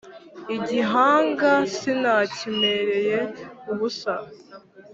Igihanga sinakimereye ubusa rwose,